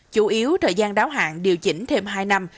chủ yếu thời gian đáo hạn điều chỉnh thêm hai năm